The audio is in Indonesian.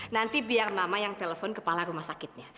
nanti biar mama yang telepon kepala rumah sakitnya